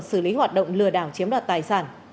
xử lý hoạt động lừa đảo chiếm đoạt tài sản